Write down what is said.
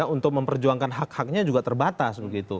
untuk memperjuangkan hak haknya juga terbatas begitu